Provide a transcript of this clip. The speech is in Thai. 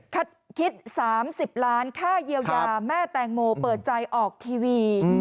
คิด๓๐ล้านค่าเยียวยาแม่แตงโมเปิดใจออกทีวี